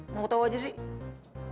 mau tau aja sih